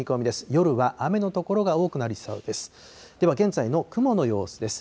夜は雨の所が多くなりそうです。